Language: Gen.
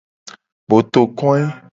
Botokoe.